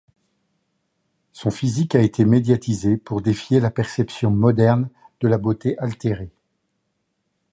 Son physique a été médiatisé pour défier la perception moderne de la beauté altérée.